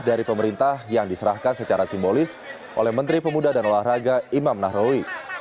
dari pemerintah yang diserahkan secara simbolis oleh menteri pemuda dan olahraga imam nahrawi